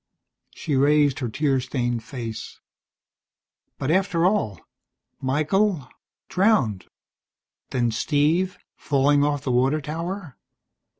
She raised her tear stained face. "But after all Michael, drowned. Then Steve, falling off the water tower.